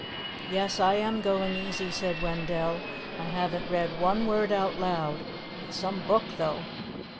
"Yes, I am going easy," said Wendell. "I haven't read one word out loud. It's some book, though!"